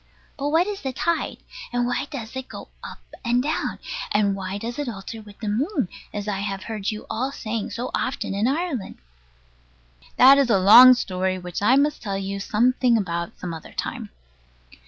But what is the tide? And why does it go up and down? And why does it alter with the moon, as I heard you all saying so often in Ireland? That is a long story, which I must tell you something about some other time.